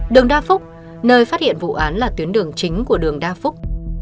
đường đa phúc nơi phát hiện vụ án là tuyến đường chính của đường đa phúc